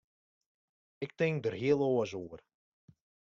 Ik tink der heel oars oer.